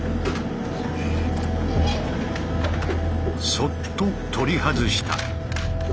そっと取り外した。